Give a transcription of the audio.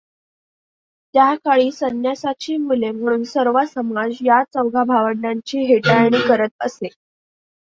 त्या काळी संन्यासाची मुले म्हणून सर्व समाज या चौघा भावंडांची हेटाळणी करीत असे.